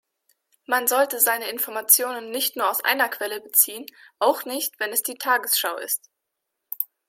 Man sollte seine Informationen nicht nur aus einer Quelle beziehen, auch nicht wenn es die Tagesschau ist.